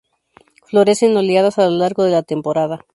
Florece en oleadas a lo largo de la temporada.